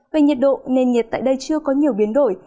về nhiệt độ nền nhiệt tại đây chưa có nhiều biến đổi